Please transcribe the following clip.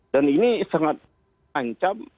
dan ini sangat mengancam